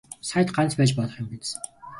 Саяд ганц байж болох юм биз.